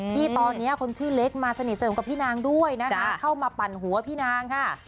ที่ตอนนี้คนชื่อเล็กมาสนิทเสริมกับพี่นางด้วยนะคะเข้ามาปั่นหัวพี่นางค่ะ